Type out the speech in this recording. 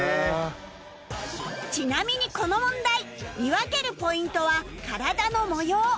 ちなみにこの問題見分けるポイントは体の模様